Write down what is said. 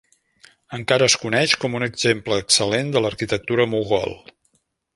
Encara es coneix com un exemple excel·lent de l'arquitectura mogol.